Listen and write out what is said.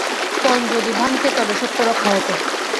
পণ যদি ভাঙতে তবে সত্যরক্ষা হত।